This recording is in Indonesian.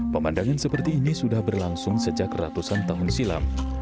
pemandangan seperti ini sudah berlangsung sejak ratusan tahun silam